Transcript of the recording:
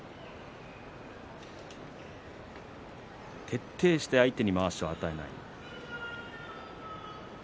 徹底して相手にまわしを与えません。